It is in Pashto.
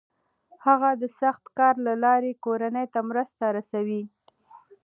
هغه د سخت کار له لارې کورنۍ ته مرسته رسوي.